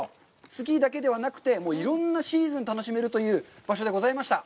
スキーだけではなくて、いろんなシーズンに楽しめるという場所でございました。